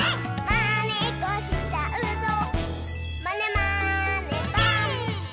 「まねっこしちゃうぞまねまねぽん！」